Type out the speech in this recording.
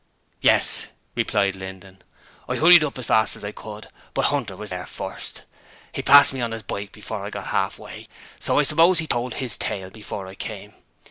'Yes,' replied Linden. 'I hurried up as fast as I could, but Hunter was there first. He passed me on his bike before I got half way, so I suppose he told his tale before I came.